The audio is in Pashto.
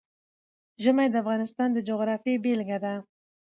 ژمی د افغانستان د جغرافیې بېلګه ده.